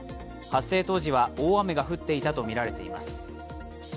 発生当時は大雨が降っていたとみられています。